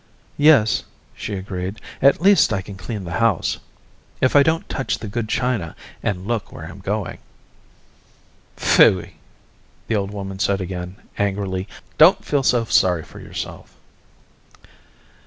"Yes," she agreed, "at least I can clean the house. If I don't touch the good china, and look where I'm going." "Phui," the old woman said again, angrily. "Don't feel so sorry for yourself."